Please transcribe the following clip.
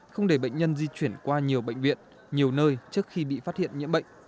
không để bệnh nhân di chuyển qua nhiều bệnh viện nhiều nơi trước khi bị phát hiện nhiễm bệnh